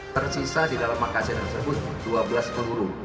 tersisa di dalam makassar tersebut dua belas peluru